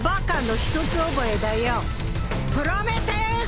プロメテウス！